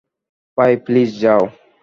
ভাই, প্লিজ যাও।